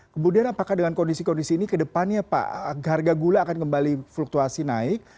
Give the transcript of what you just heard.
kemudian apakah dengan kondisi kondisi ini ke depannya pak harga gula akan kembali fluktuasi naik